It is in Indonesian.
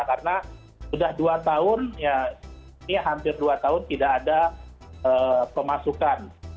karena sudah dua tahun ya ini hampir dua tahun tidak ada pemasukan